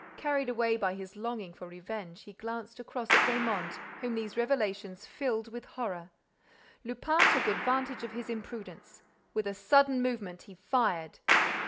Carried away by his longing for revenge, he glanced across at Raymonde, whom these revelations filled with horror. Lupin took advantage of his imprudence. With a sudden movement, he fired.